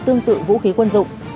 tương tự vũ khí quân dụng